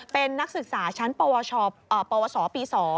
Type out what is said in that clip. เป็นนักศึกษาชั้นปวสปี๒